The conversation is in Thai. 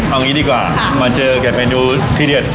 เอางี้ดีกว่ามาเจอกับเมนูที่เด็ด